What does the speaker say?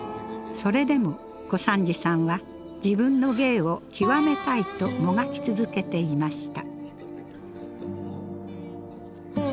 それでも小三治さんは自分の芸を究めたいともがき続けていました。